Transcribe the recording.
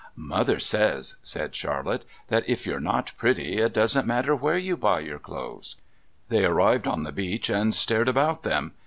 "Mother says," said Charlotte, "that if you're not pretty it doesn't matter where you buy your clothes." They arrived on the beach and stared about them.